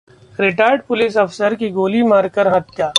retired police अफसर की गोली मारकर हत्या